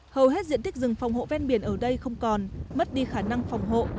hầu hết diện tích rừng phòng hộ ven biển ở đây không còn mất đi khả năng phòng hộ